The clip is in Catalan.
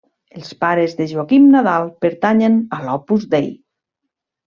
Els pares de Joaquim Nadal pertanyen a l'Opus Dei.